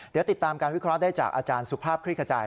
เดี๋ยวติดตามการวิเคราะห์ได้จากอาจารย์สุภาพคลิกขจาย